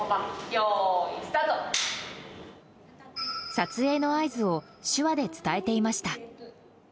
撮影の合図を手話で伝えていました。